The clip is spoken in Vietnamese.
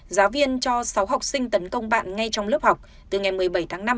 giáo viên cho sáu học sinh tấn công bạn ngay trong lớp học từ ngày một mươi bảy tháng năm